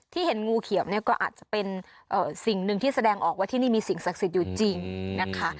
เห็นงูเขียวเนี่ยก็อาจจะเป็นสิ่งหนึ่งที่แสดงออกว่าที่นี่มีสิ่งศักดิ์สิทธิ์อยู่จริงนะคะ